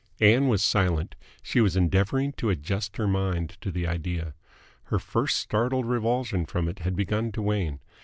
Ann was silent. She was endeavouring to adjust her mind to the idea. Her first startled revulsion from it had begun to wane.